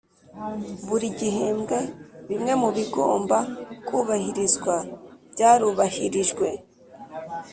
buri gihembwe bimwe mu bigomba kubahirizwa byarubahirijwe